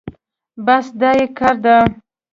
بس دا يې کار ده.